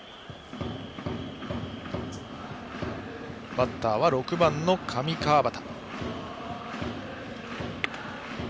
バッターは６番の上川畑。